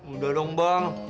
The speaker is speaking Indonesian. udah dong bang